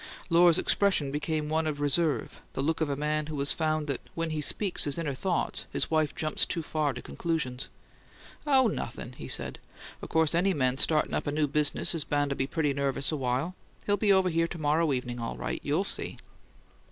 Lohr's expression became one of reserve, the look of a man who has found that when he speaks his inner thoughts his wife jumps too far to conclusions. "Oh, nothing," he said. "Of course any man starting up a new business is bound to be pretty nervous a while. He'll be over here to morrow evening, all right; you'll see."